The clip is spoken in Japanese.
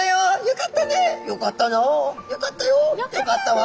「よかったわ」。